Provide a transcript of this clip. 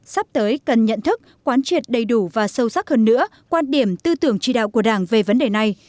sắp tới cần nhận thức quán triệt đầy đủ và sâu sắc hơn nữa quan điểm tư tưởng chỉ đạo của đảng về vấn đề này